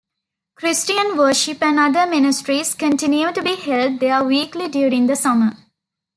Christian worship and other ministries continue to be held there weekly during the summer.